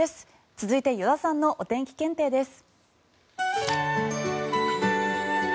続いて依田さんのお天気検定です。